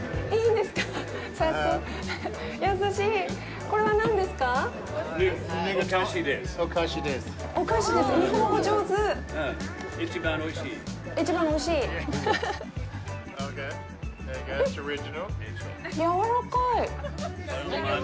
んっ、やわらかい。